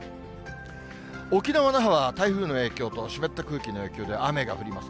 沖縄・那覇は台風の影響と湿った空気の影響で雨が降ります。